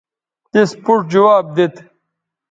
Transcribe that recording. تس پوڇ جواب دیت